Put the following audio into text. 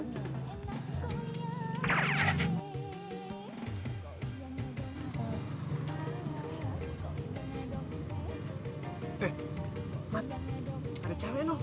deh mat ada cewek